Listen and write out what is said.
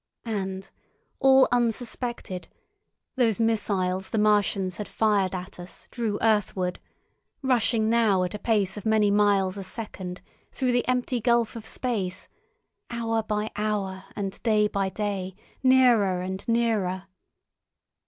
And, all unsuspected, those missiles the Martians had fired at us drew earthward, rushing now at a pace of many miles a second through the empty gulf of space, hour by hour and day by day, nearer and nearer.